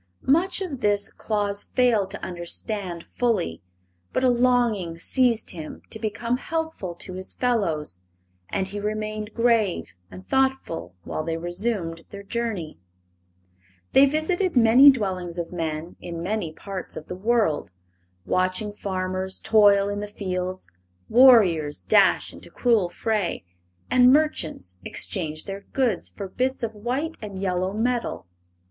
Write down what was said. Much of this Claus failed to understand fully, but a longing seized him to become helpful to his fellows, and he remained grave and thoughtful while they resumed their journey. They visited many dwellings of men in many parts of the world, watching farmers toil in the fields, warriors dash into cruel fray, and merchants exchange their goods for bits of white and yellow metal.